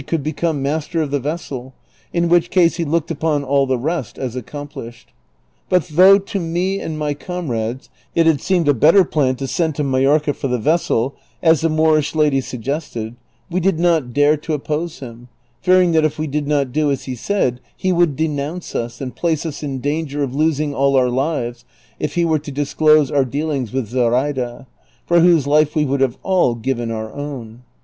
could become master of the vessel, in which case he looked upon all the rest as accomplished. But though to me and my comrades it had seemed a better plan to send to Majorca for the vessel, as the Moorish lady suggested, we did not dare to oppose him, fearing that if we did not do as he said he would denounce us, and place us in danger of losing all our lives if he were to disclose our dealings with Zoraida, for whose life we would have all ^iven our own.